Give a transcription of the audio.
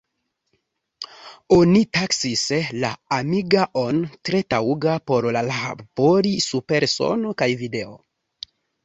Oni taksis la "Amiga-on" tre taŭga por labori super sono kaj video.